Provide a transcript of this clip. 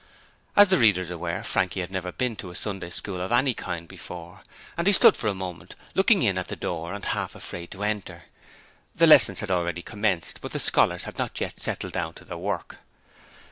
As the reader is aware, Frankie had never been to a Sunday School of any kind before, and he stood for a moment looking in at the door and half afraid to enter. The lessons had already commenced, but the scholars had not yet settled down to work.